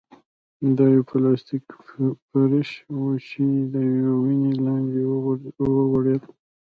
دا يو پلاستيکي فرش و چې د يوې ونې لاندې وغوړېد.